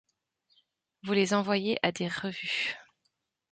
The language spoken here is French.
Vous les envoyez à des revues.